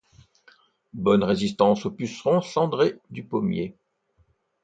Bonne résistance au puceron cendré du pommier.